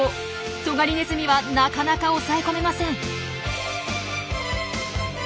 トガリネズミはなかなか押さえ込めません。